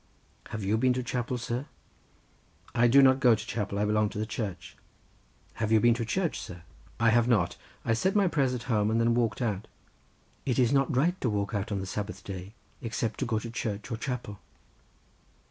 "Have you been to chapel, sir?" "I do not go to chapel; I belong to the Church." "Have you been to church, sir?" "I have not—I said my prayers at home, and then walked out." "It is not right to walk out on the Sabbath day, except to go to church or chapel."